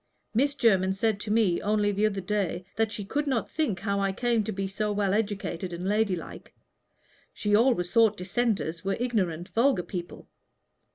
Miss Jermyn said to me only the other day that she could not think how I came to be so well educated and ladylike. She always thought Dissenters were ignorant, vulgar people.